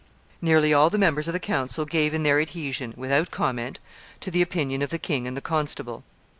Nearly all the members of the council gave in their adhesion, without comment, to the opinion of the king and the constable.